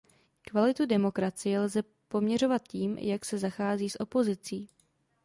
Kvalitu demokracie lze poměřovat tím, jak se zachází s opozicí.